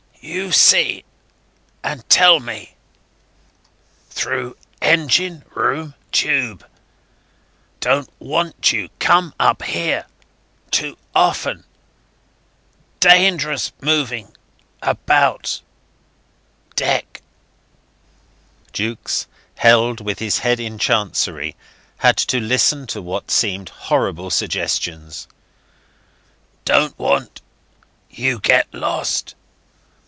You see and tell me ... through engine room tube. Don't want you ... come up here ... too often. Dangerous ... moving about ... deck." Jukes, held with his head in chancery, had to listen to what seemed horrible suggestions. "Don't want ... you get lost